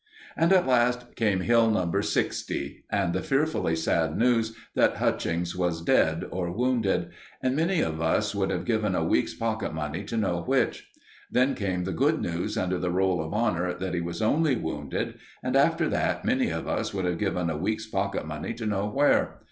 And at last came Hill No. 60, and the fearfully sad news that Hutchings was dead or wounded; and many of us would have given a week's pocket money to know which. Then came the good news under the Roll of Honour that he was only wounded, and after that, many of us would have given a week's pocket money to know where.